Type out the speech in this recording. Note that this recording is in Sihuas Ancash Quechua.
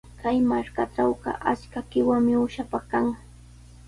Kay markatrawqa achka qiwami uushapaq kan.